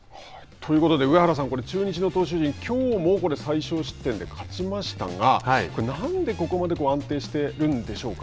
ということで上原さん中日の投手陣きょうも最少失点で勝ちましたがなんでここまで安定してるんでしょうか。